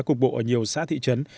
cục bộ ở nhiều xã thị trấn